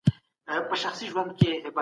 اسلام د ټولو خلګو عزت خوندي کوي.